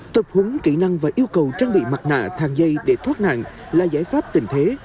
tập húng kỹ năng và yêu cầu trang bị mặt nạ thang dây để thoát nạn là giải pháp tình thế